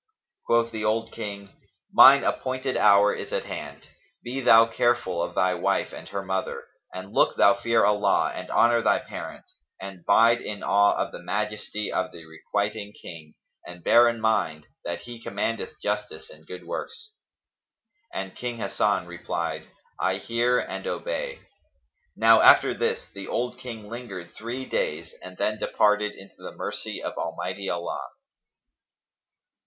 Quoth the old King "Mine appointed hour is at hand: be thou careful of thy wife and her mother, and look thou fear Allah and honour thy parents; and bide in awe of the majesty of the Requiting King and bear in mind that He commandeth justice and good works." And King Hasan replied, "I hear and obey." Now after this the old King lingered three days and then departed into the mercy of Almighty Allah.